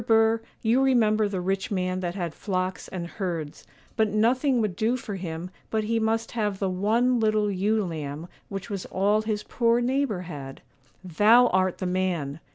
Burr, you remember the rich man that had flocks and herds, but nothing would do for him but he must have the one little ewe lamb which was all his poor neighbour had. Thou art the man!